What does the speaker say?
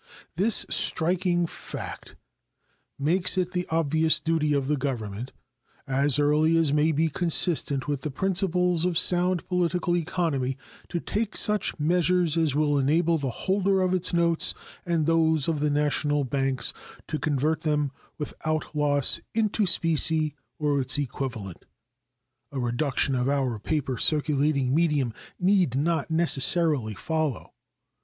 This striking fact makes it the obvious duty of the Government, as early as may be consistent with the principles of sound political economy, to take such measures as will enable the holder of its notes and those of the national banks to convert them without loss into specie or its equivalent. A reduction of our paper circulating medium need not necessarily follow.